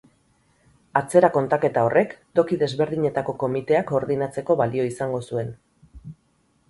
Atzera kontaketa horrek, toki desberdinetako komiteak koordinatzeko balio izango zuen.